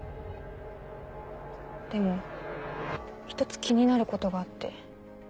でも１つ気になることがあって。